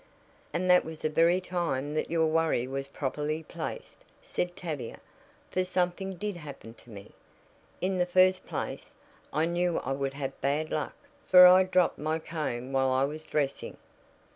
"And that was the very time that your worry was properly placed," said Tavia, "for something did happen to me. In the first place, I knew I would have bad luck, for I dropped my comb while I was dressing."